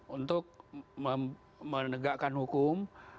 untuk menegakkan hukum